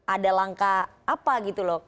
ada langkah apa gitu loh